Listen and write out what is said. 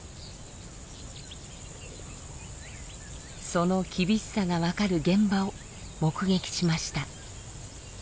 その厳しさがわかる現場を目撃しました。